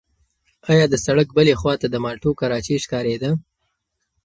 ایا د سړک بلې خوا ته د مالټو کراچۍ ښکارېده؟